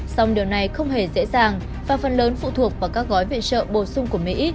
song điều này không hề dễ dàng và phần lớn phụ thuộc vào các gói viện trợ bổ sung của mỹ